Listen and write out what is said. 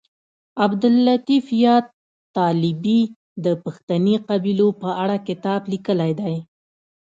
عبداللطیف یاد طالبي د پښتني قبیلو په اړه کتاب لیکلی دی